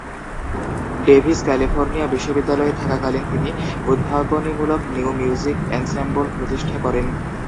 Davies California বিশ্ববিদ্যালয়ে থাকাকালীন, তিনি উদ্ভাবনীমূলক নিউ মিউজিক এনসেম্বল প্রতিষ্ঠা করেন।